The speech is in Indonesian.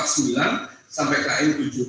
sampai km tujuh puluh dua